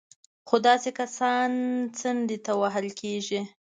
خو داسې کسان څنډې ته وهل کېږي